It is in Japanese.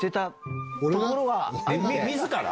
自ら⁉